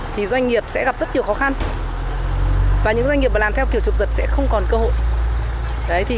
thì doanh nghiệp sẽ gặp rất nhiều khó khăn và những doanh nghiệp làm theo kiểu trục giật sẽ không còn cơ hội